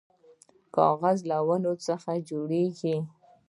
کاغذ له ونو څخه جوړیږي